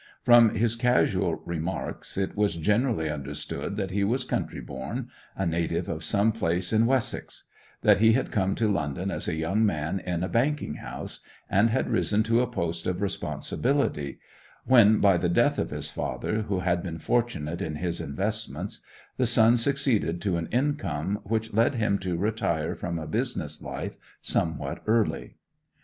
From his casual remarks it was generally understood that he was country born, a native of some place in Wessex; that he had come to London as a young man in a banking house, and had risen to a post of responsibility; when, by the death of his father, who had been fortunate in his investments, the son succeeded to an income which led him to retire from a business life somewhat early.